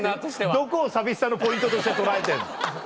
どこを寂しさのポイントとして捉えてんの。